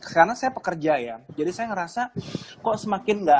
karena saya pekerja ya jadi saya ngerasa kok semakin nggak